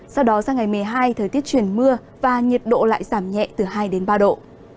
sau đó sang ngày một mươi hai thời tiết chuyển mưa và nhiệt độ lại giảm nhẹ từ hai đến ba độ